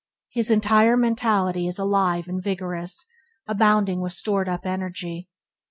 His entire mentality is alive and vigorous, abounding with stored up energy.